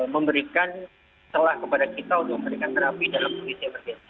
memberikan celah kepada kita untuk memberikan terapi dalam uji emergency